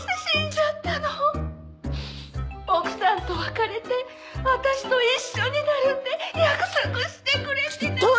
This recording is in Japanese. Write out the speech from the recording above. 奥さんと別れて私と一緒になるって約束してくれてたのに。